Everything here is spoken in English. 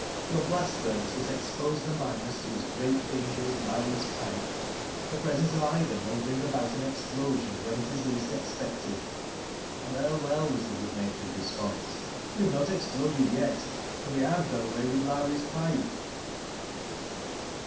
Your blast furnaces expc«e the miners to as great danger as Lowrie's pipe. Thf TBE OPEN '■ OAVT." 107 presence of either may bring about an explosion when il is least expected." " Well, well," was the good natured response ;" we have not exploded yet ; and we have done away with liOwrie's pipe."